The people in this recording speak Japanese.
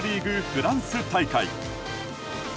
フランス大会。